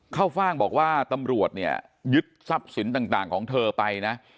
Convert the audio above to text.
ฟ่างบอกว่าตำรวจเนี่ยยึดทรัพย์สินต่างของเธอไปนะ